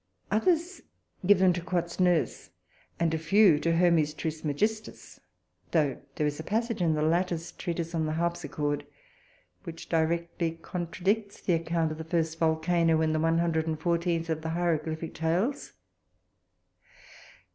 Others give them to Quat's nurse, and a few to Hermes Trismegistus, though there is a passage in the latter's treatise on the harpsichord which directly contradicts the account of the first volcano in the 114th. of the Hieroglyphic Tales.